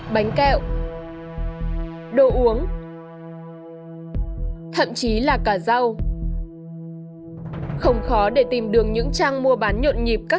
bánh kẹo đồ uống thậm chí là cả rau không khó để tìm đường những trang mua bán nhộn nhịp các